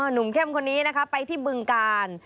อ๋อหนุ่มเข้มคนนี้ไปที่บึงการ